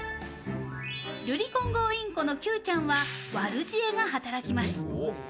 ルリコンゴウインコのキューちゃんは悪知恵が働きます。